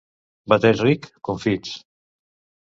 Bateig ric, confits.